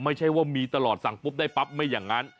ไม่ใช่ว่ามีตลอดสั่งปุ๊บได้ปั๊บไม่อย่างนั้น